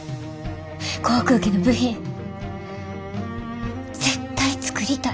航空機の部品絶対作りたい。